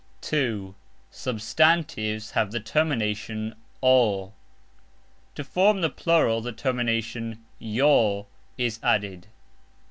(2) SUBSTANTIVES have the termination "o". To form the plural the termination "j" is added.